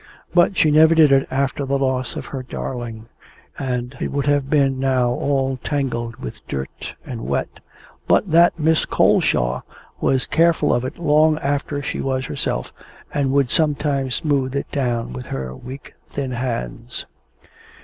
But she never did it after the loss of her darling; and it would have been now all tangled with dirt and wet, but that Miss Coleshaw was careful of it long after she was herself, and would sometimes smooth it down with her weak thin hands.